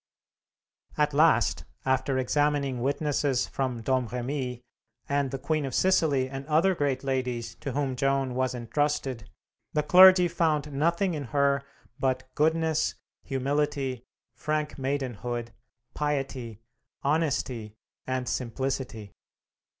At last, after examining witnesses from Domremy, and the Queen of Sicily and other great ladies to whom Joan was intrusted, the clergy found nothing in her but "goodness, humility, frank maidenhood, piety, honesty and simplicity."